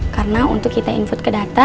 karena untuk kita input ke data